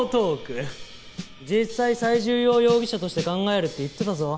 実際最重要容疑者として考えるって言ってたぞ。